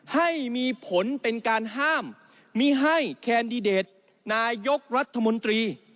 ให้มีผลเป็นการห้ามมีให้แคนดิเดตนายกรัฐมนตรี